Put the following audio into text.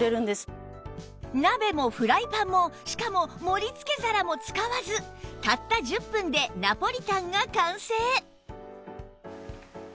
鍋もフライパンもしかも盛り付け皿も使わずたった１０分でナポリタンが完成！